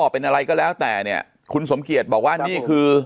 เป็นอะไรก็แล้วแต่เนี่ยคุณสมเกียจบอกว่านี่คือ